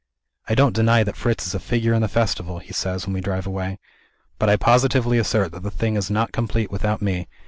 "I don't deny that Fritz is a figure in the festival," he says, when we drive away; "but I positively assert that the thing is not complete without Me.